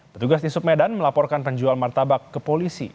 petugas di submedan melaporkan penjual martabak ke polisi